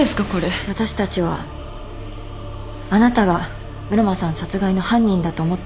私たちはあなたが浦真さん殺害の犯人だと思っています。